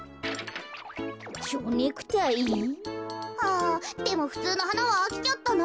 あでもふつうのはなはあきちゃったな。